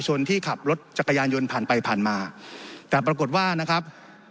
ชนที่ขับรถจักรยานยนต์ผ่านไปผ่านมาแต่ปรากฏว่านะครับ